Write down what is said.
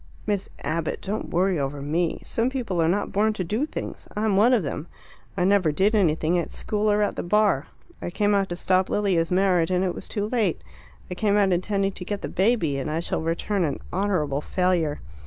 "Miss Abbott, don't worry over me. Some people are born not to do things. I'm one of them; I never did anything at school or at the Bar. I came out to stop Lilia's marriage, and it was too late. I came out intending to get the baby, and I shall return an 'honourable failure.